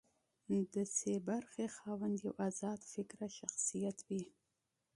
د سي برخې خاوند یو ازاد فکره شخصیت وي.